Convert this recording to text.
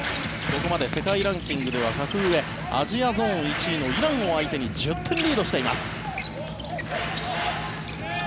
ここまで世界ランキングでは格上アジアゾーン１位のイランを相手に１０点リードしています。